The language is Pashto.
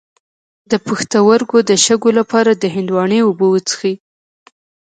د پښتورګو د شګو لپاره د هندواڼې اوبه وڅښئ